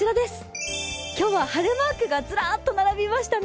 今日は晴れマークがずらっと並びましたね。